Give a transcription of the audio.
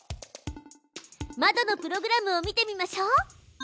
まどのプログラムを見てみましょう！